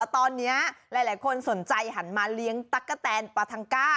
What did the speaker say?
ตอนนี้หลายคนสนใจหันมาเลี้ยงตั๊กกะแตนปลาทังก้า